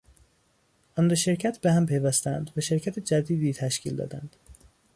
آن دو شرکت به هم پیوستند و شرکت جدیدی تشکیل دادند.